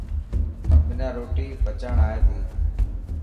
منا روٽي پچائڻ اي تي.